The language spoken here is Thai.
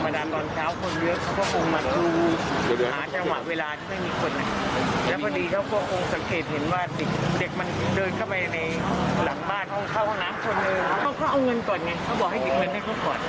เราถูกให้เอาทองทางเงินส่วนเราก็ต้องไว้ใช้